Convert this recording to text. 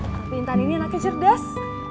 tapi intan ini anaknya cerdas